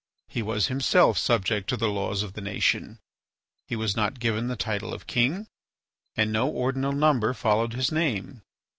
He was himself subject to the laws of the nation. He was not given the title of king, and no ordinal number followed his name.